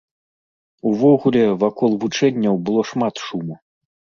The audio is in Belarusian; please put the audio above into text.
Увогуле, вакол вучэнняў было шмат шуму.